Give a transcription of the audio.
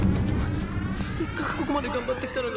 せっかくここまで頑張ってきたのに。